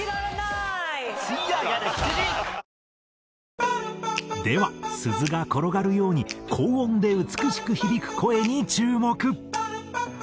ぷはーっでは鈴が転がるように高音で美しく響く声に注目。